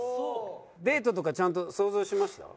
デートとかちゃんと想像しました？